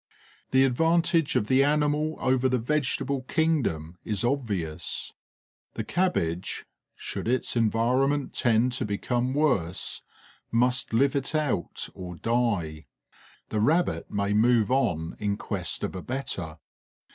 The advantage of the animal over the vegetable kingdom is obvious. The cabbage, should its environment tend to become worse, must live it out, or die; the rabbit may move on in quest of a better.